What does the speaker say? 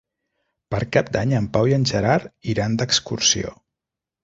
Per Cap d'Any en Pau i en Gerard iran d'excursió.